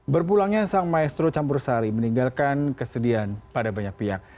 berpulangnya sang maestro campur sari meninggalkan kesedihan pada banyak pihak